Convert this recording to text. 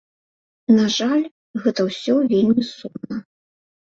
На жаль, гэта ўсё вельмі сумна.